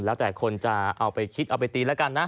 แล้วแต่คนจะเอาไปคิดเอาไปตีแล้วกันนะ